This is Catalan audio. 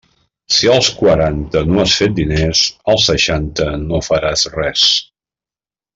Si als quaranta no has fet diners, als seixanta no faràs res.